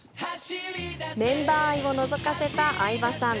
メンバー愛をのぞかせた相葉さん。